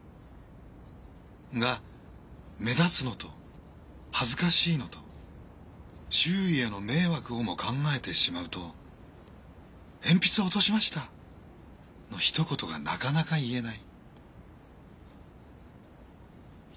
が目立つのと恥ずかしいのと周囲への迷惑をも考えてしまうと「鉛筆落としました」のひと言がなかなか言えない。